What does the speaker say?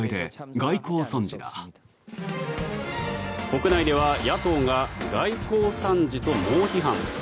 国内では野党が外交惨事と猛批判。